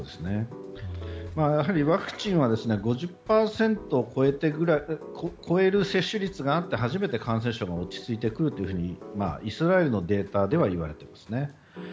やはりワクチンは５０％を超えるくらいの接種率があって感染症が落ち着いてくるとイスラエルのデータではいわれていますね。